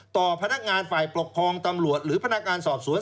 ต่อพนักงานฝ่ายปกครองตำรวจหรือพนักงานสอบสวน